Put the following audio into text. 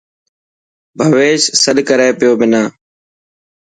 ڀويش سڏ ڪري پيو منا.